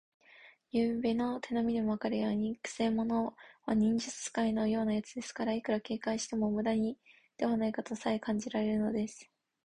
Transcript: ゆうべの手なみでもわかるように、くせ者は忍術使いのようなやつですから、いくら警戒してもむだではないかとさえ感じられるのです。